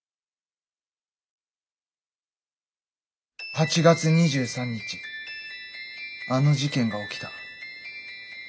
８月２３日あの事件が起きた。